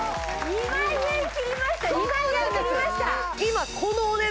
２万円切りました